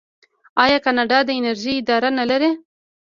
آیا کاناډا د انرژۍ اداره نلري؟